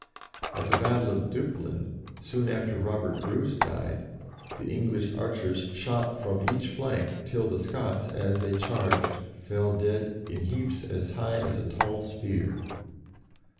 At the battle of Dup plin, soon after Robert Bruce died, the English archers shot from each flank till the Scots, as they charged, fell dead in heaps as high as a tall spear.